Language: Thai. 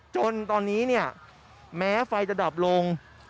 จนตอนนี้เนี่ยแม้ไฟจะดับลง